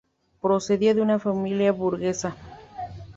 Procedía de una familia burguesa.